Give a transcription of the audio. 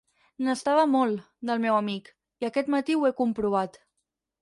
N'estava molt, del meu amic, i aquest matí ho he comprovat.